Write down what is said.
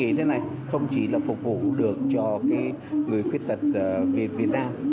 tôi nghĩ thế này không chỉ là phục vụ được cho người khuyết tật việt nam